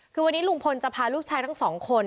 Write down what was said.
คือวันนี้ลุงพลจะพาลูกชายทั้งสองคน